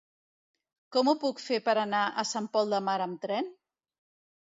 Com ho puc fer per anar a Sant Pol de Mar amb tren?